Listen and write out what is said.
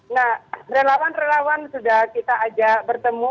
nah relawan relawan sudah kita ajak bertemu